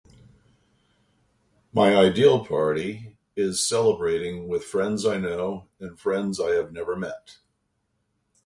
My ideal party is celebrating with friends I know, and friends I have never met.